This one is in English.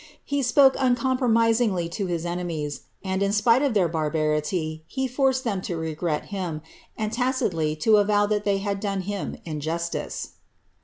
He spoke uncompro his enemies, and, in spite of their barbarity, he forced them n, and tacitly to avow that they had done him injustice.